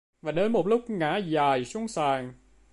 Và đến một lúc ngã dài xuống sàn